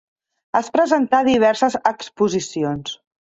Es presentà a diverses exposicions.